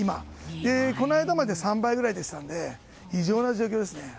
この間まで３倍くらいでしたので異常な状況ですね。